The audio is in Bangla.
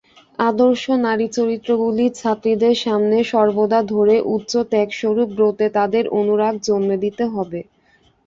আদর্শ নারীচরিত্রগুলি ছাত্রীদের সামনে সর্বদা ধরে উচ্চ ত্যাগরূপ ব্রতে তাদের অনুরাগ জন্মে দিতে হবে।